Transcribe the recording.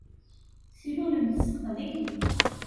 Tlulem-d s teqbaylit.